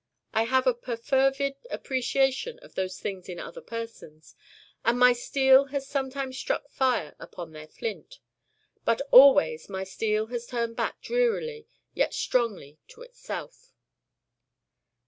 I have a perfervid appreciation of those things in other persons. And my steel has sometime struck fire from their flint. But always my steel has turned back drearily yet strongly to itself.